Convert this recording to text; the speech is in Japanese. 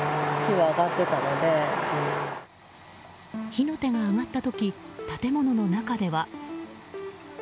火の手が上がった時建物の中では。